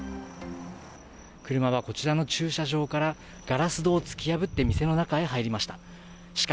車はこちらの駐車場から、ガラス戸を突き破って、店の中へ入りました。